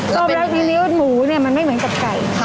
ต้มแล้วทีนี้หมูมันไม่เหมือนกับไก่